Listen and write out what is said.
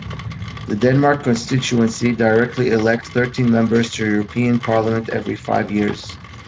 The Denmark constituency directly elects thirteen members to the European Parliament every five years.